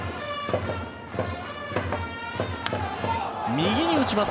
右に打ちます。